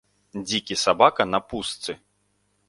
Дзікі сабака на пустцы.